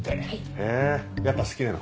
へぇやっぱ好きなの？